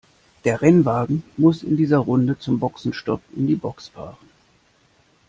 Der Rennwagen muss in dieser Runde zum Boxenstopp in die Box fahren.